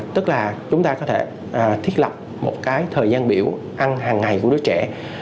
tức là chúng ta có thể thiết lập một thời gian biểu ăn hằng ngày của đứa trẻ